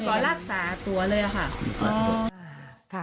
ขอรักษาตัวเลยค่ะ